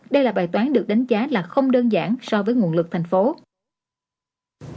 đây là bài toán được đánh giá là không đơn giản so với nguồn lực tp hcm